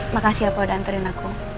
makasih ya pa udah anterin aku